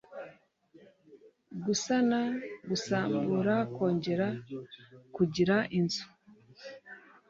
gusana gusambura kongera kugira inzu